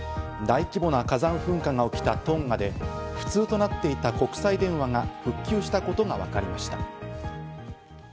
大規模な火山噴火が起きたトンガで、不通となっていた国際電話が復旧したことがわかりました。